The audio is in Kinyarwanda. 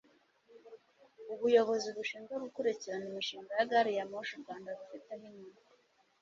ubuyobozi bushinzwe gukurikirana imishinga ya gari ya moshi u rwanda rufiteho inyungu